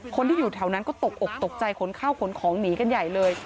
คนที่อยู่แถวนั้นก็ตกอกตกใจขนข้าวขนของหนีกันใหญ่เลย